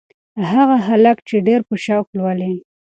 هغه هلک ډېر په شوق لولي.